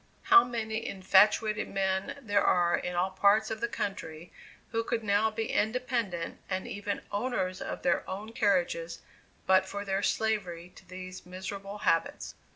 How many infatuated men there are in all parts of the country, who could now be independent, and even owners of their own carriages, but for their slavery to these miserable habits!